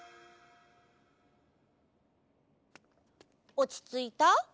おちついた？